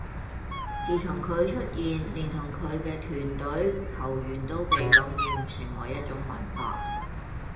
自從佢出現，連同佢嘅團隊、球員都被感染，成為一種文化